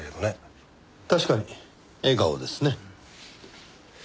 確かに笑顔ですね。